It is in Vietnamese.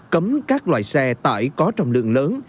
cấm các loại xe tải có trọng lượng lớn